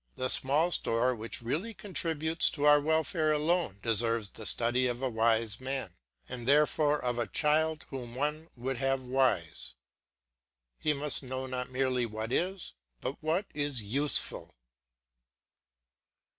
The small store which really contributes to our welfare alone deserves the study of a wise man, and therefore of a child whom one would have wise. He must know not merely what is, but what is useful.